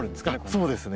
そうですね。